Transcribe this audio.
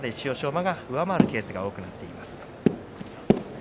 馬が上回るケースが多くなっています。